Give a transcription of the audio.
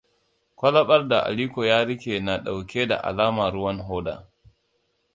Kwalabar da Aliko ya riƙe na ɗauke da alama ruwan hoda.